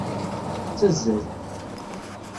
Tettazzal.